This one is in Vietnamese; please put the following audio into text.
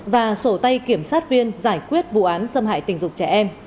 và sổ tay kiểm sát viên giải quyết vụ án xâm hại tình dục trẻ em